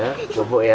enggak enggak enggak